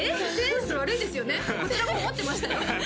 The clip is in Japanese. こちらも思ってましたよ